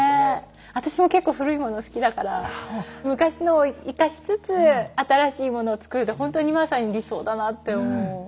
私も結構古いもの好きだから昔のを生かしつつ新しいものを作るってほんとにまさに理想だなって思う。